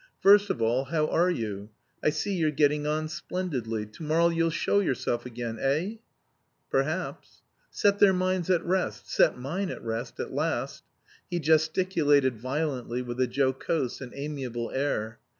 First of all, how are you? I see you're getting on splendidly. To morrow you'll show yourself again eh?" "Perhaps." "Set their minds at rest. Set mine at rest at last." He gesticulated violently with a jocose and amiable air.